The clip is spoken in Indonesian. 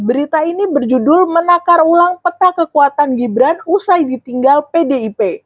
berita ini berjudul menakar ulang peta kekuatan gibran usai ditinggal pdip